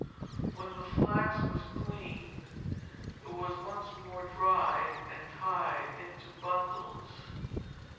When the flax was cleaned, it was once more dried and tied in bundles.